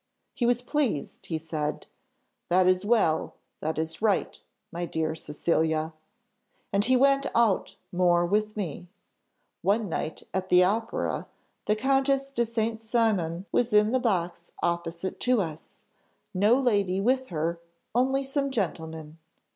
He was pleased; he said, 'That is well, that is right, my dear Cecilia.' And he went out more with me. One night at the Opera, the Comtesse de St. Cymon was in the box opposite to us, no lady with her, only some gentlemen.